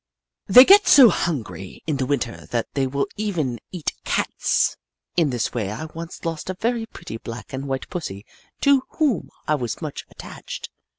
They get so hungry in the Winter that they will even eat Cats. In this way I once lost a very pretty black and white pussy to whom I was much attached.